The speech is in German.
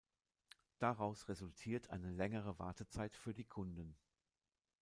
Daraus resultiert eine längere Wartezeit für die Kunden.